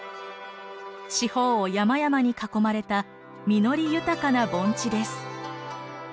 四方を山々に囲まれた実り豊かな盆地です。